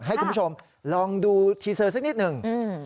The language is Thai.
ให้คุณผู้ชมลองดูทีเซอร์สักนิดหนึ่ง